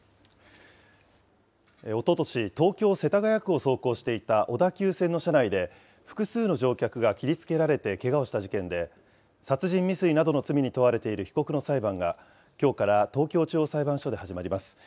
おととし、東京・世田谷区を走行していた小田急線の車内で、複数の乗客が切りつけられてけがをした事件で、殺人未遂などの罪に問われている被告の裁判が、きょうから東京地方裁判所で始まります。